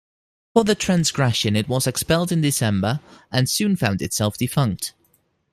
For the transgression it was expelled in December, and soon found itself defunct.